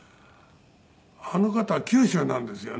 あの方は九州なんですよね。